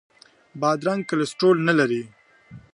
بادرنګ کولیسټرول نه لري.